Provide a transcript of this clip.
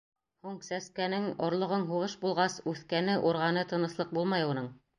Һуң сәскәнең, орлоғоң һуғыш булғас, үҫкәне, урғаны тыныслыҡ булмай уның.